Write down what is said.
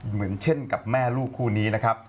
เหมือนเช่นกับแม่ลูกคู่นี้นะครับ